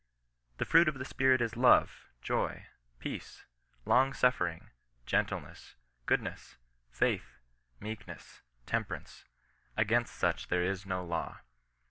The fruit of the Spirit is love, joy, peace, long suffer ing, gentleness, goodness, faith, meekness, temperance ; against such there is no law.